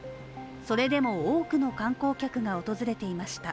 それでも多くの観光客が訪れていました。